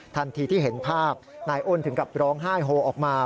ทันทีที่เห็นภาพนายอ้นถึงกับร้องไห้โฮออกมา